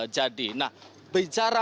jadi nah bicara